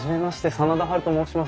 真田ハルと申します。